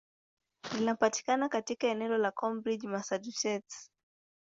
Linapatikana katika eneo la Cambridge, Massachusetts.